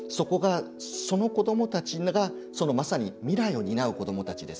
その子どもたちがまさに未来を担う子どもたちです。